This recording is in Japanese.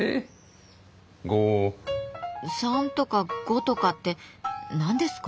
３とか５とかって何ですか？